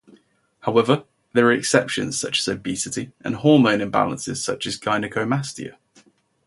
However, there are exceptions such as obesity and hormone imbalances such as gynecomastia.